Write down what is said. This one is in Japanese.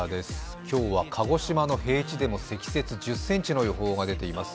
今日は鹿児島の平地でも積雪１０ｃｍの予報が出ています。